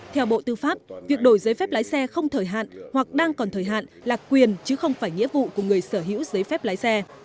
theo bộ tư pháp việc đổi giấy phép lái xe không thời hạn hoặc đang còn thời hạn là quyền chứ không phải nghĩa vụ của người sở hữu giấy phép lái xe